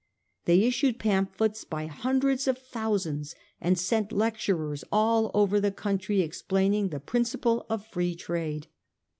They issued pamphlets by hundreds of thousands, and sent lecturers all over the country explaining the princi ples of Free Trade.